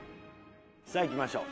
さあいきましょう。